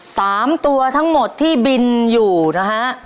สามตัวทั้งหมดที่บินอยู่นะฮะ